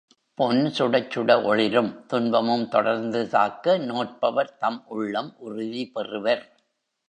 பொன் சுடச்சுட ஒளிரும் துன்பமும் தொடர்ந்து தாக்க நோற்பவர் தம் உள்ளம் உறுதிபெறுவர்.